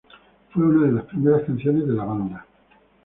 Fue una de las primeras canciones de la banda.